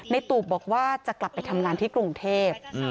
ตูบบอกว่าจะกลับไปทำงานที่กรุงเทพ